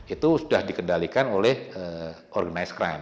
itu sudah dikendalikan oleh organized crime